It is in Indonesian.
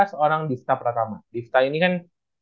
seorang divta pertama divta ini kan